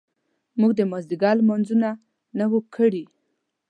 موږ د مازیګر لمونځونه نه وو کړي.